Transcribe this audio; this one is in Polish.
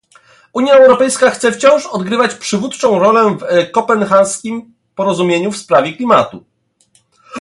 Unia Europejska chce wciąż odgrywać przywódczą rolę w kopenhaskim porozumieniu w sprawie klimatu